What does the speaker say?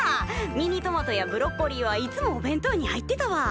ミニトマトやブロッコリーはいつもお弁当に入ってたわ。